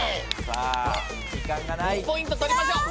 １ポイント取りましょう。